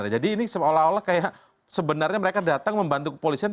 jadi ini seolah olah kayak sebenarnya mereka datang membantu kepolisian